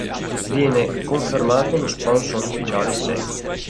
Viene confermato lo sponsor ufficiale Seiko.